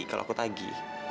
kalau aku tagi